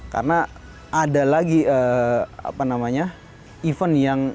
karena ada lagi event yang berhasil diperlukan